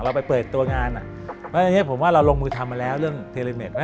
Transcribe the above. เราไปเปิดตัวงานแล้วผมว่าเราลงมือทำมาแล้วเรื่องเทเลเมตร